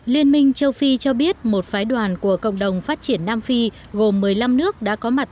liên minh châu phi cho biết một phái đoàn của cộng đồng phát triển nam phi gồm một mươi năm nước đã có mặt